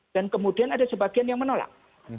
dan kemudian ada sebagian yang menolak